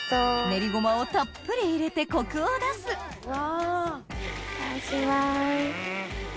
練りごまをたっぷり入れてコクを出す回します。